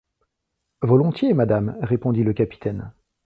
Volontiers, madame, répondit le capitaine.